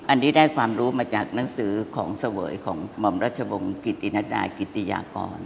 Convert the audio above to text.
อันนี้ได้ความรู้มาจากหนังสือของเสวยของหม่อมรัชวงศ์กิตินัดดากิติยากร